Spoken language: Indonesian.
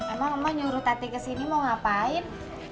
emang emang nyuruh tati kesini mau ngapain